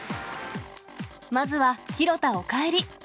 まずは、廣田お帰り！